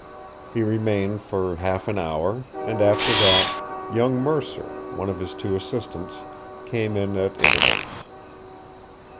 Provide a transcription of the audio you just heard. He remained for half an hour, and after that young Mercer, one of his two assistants, came in at intervals.